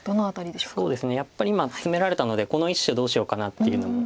やっぱり今ツメられたのでこの１子をどうしようかなっていう。